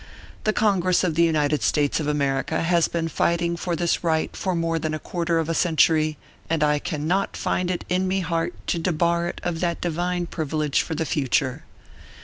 The Congress of the United States of America has been fighting for this right for more than a quarter of a century, and I cannot find it in me heart to debar it of that divine privilege for the future.